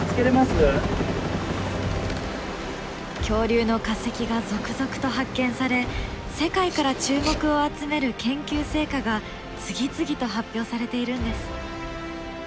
恐竜の化石が続々と発見され世界から注目を集める研究成果が次々と発表されているんです。